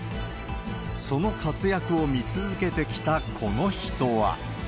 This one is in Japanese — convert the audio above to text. その活躍を見続けてきたこの人は。